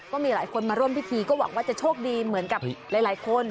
ก็มีหลายคนมาร่วมพิธีก็หวังว่าจะโชคดีเหมือนกับหลายคน